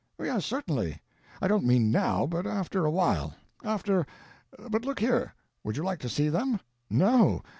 "Yes—certainly. I don't mean now; but after a while; after—but look here, would you like to see them?" "No!